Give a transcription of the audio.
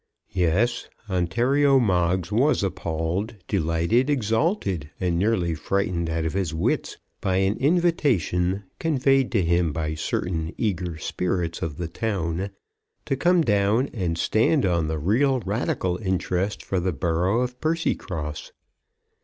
Yes; Ontario Moggs was appalled, delighted, exalted, and nearly frightened out of his wits by an invitation, conveyed to him by certain eager spirits of the town, to come down and stand on the real radical interest for the borough of Percycross.